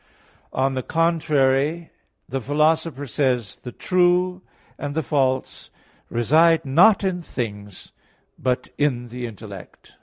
On the contrary, The Philosopher says (Metaph. vi), " The true and the false reside not in things, but in the intellect."